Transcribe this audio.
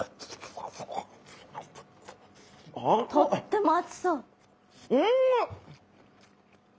とっても熱そう。